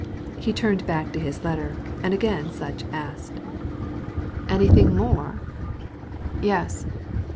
He turned back to his letter and again Sutch asked: "Anything more?" "Yes.